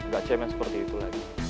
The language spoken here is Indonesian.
gak cemen seperti itu lagi